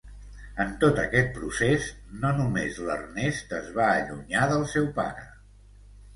En tot aquest procés, no només l'Ernest es va allunyar del seu pare.